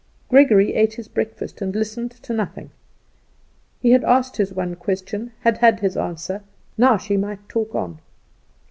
Gregory ate his breakfast and listened to nothing. He had asked his one question, and had had his answer; now she might talk on.